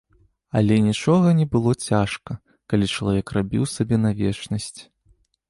Але нічога не было цяжка, калі чалавек рабіў сабе на вечнасць.